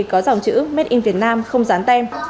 có dòng chữ made in vietnam không dán tên